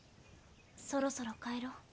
そろそろ帰ろう。